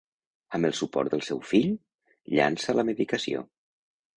Amb el suport del seu fill, llança la medicació.